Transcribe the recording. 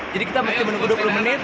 jadi kita mesti menunggu dua puluh menit